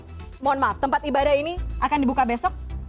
pekan kedua ini mohon maaf tempat ibadah ini akan dibuka besok